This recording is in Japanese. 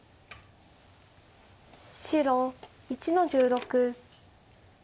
白１の十六。